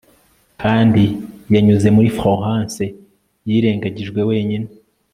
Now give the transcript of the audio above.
kandi yanyuze muri florence, yirengagijwe, wenyine